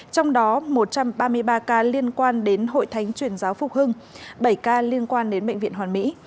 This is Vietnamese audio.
trong đó một trăm ba mươi ba ca liên quan đến hội thánh truyền giáo phục hưng bảy ca liên quan đến bệnh viện hoàn mỹ